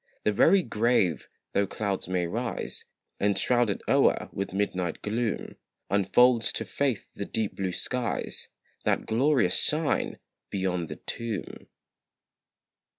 The very grave, though clouds may rise, And shroud it o'er with midnight gloom, Unfolds to faith the deep blue skies, That glorious shine beyond the tomb.